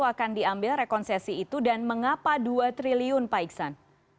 akan diambil rekonsesi itu dan mengapa dua triliun pak iksan